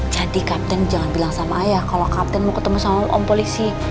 jadi kapten jangan bilang sama ayah kalo kapten mau ketemu sama om polisi